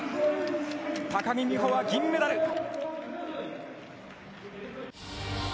高木美帆は銀メダル。